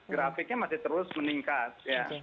grafiknya masih terus meningkat